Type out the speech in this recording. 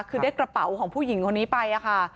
คือได้กระเป๋าของผู้หญิงคนนี้ไปค่ะ